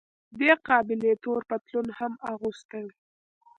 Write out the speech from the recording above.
دې قابلې تور پتلون هم اغوستی و.